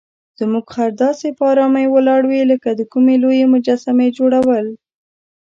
زموږ خر داسې په آرامۍ ولاړ وي لکه د کومې لویې مجسمې جوړول.